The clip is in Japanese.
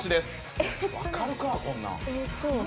わかるかこんなん。